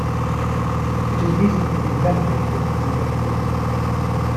It has recently been renovated and redecorated.